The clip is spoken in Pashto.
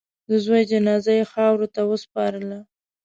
د زوی جنازه یې خاورو ته وسپارله.